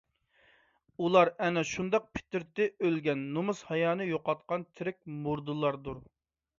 ئۇلار ئەنە شۇنداق پىترىتى ئۆلگەن، نۇمۇس - ھايانى يوقاتقان تىرىك مۇردىلاردۇر.